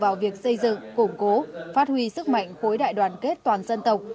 vào việc xây dựng củng cố phát huy sức mạnh khối đại đoàn kết toàn dân tộc